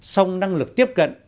sông năng lực tiếp cận